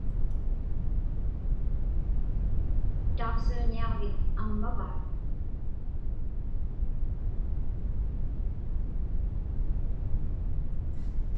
Tauqsiġñiaġvik aŋmava?